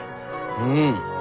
うん。